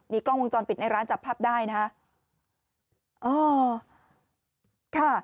กล้องวงจรปิดในร้านจับภาพได้นะฮะ